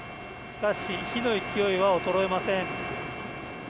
しかし、火の勢いは衰えません。